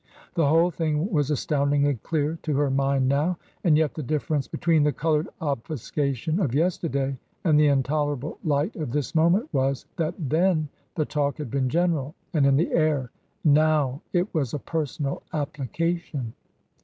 The whole thing was astoundingly clear to her mind now ; and yet the difference between the coloured ob fuscation of yesterday and the intolerable light of this moment was, that then the talk had been general and in the air ; now it was a personal application.